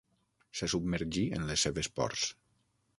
Se submergí en les seves pors.